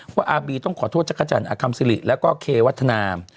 อาร์บีต้องขอโทษจักรจันทร์อคัมซิริแล้วก็เควัฒนา